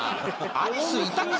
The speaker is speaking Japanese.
アリスいたか？